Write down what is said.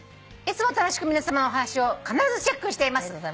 「いつも楽しく皆さまのお話を必ずチェックしています」